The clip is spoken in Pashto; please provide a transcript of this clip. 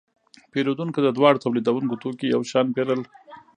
پیرودونکو د دواړو تولیدونکو توکي یو شان پیرل.